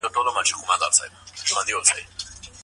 نه په ژمي نه په اوړي څوک آرام و